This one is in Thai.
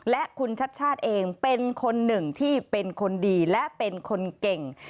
และคุณชัดชาติเองเป็นคนหนึ่งที่เป็นคนดีและเป็นคนเก่ง